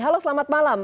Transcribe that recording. halo selamat malam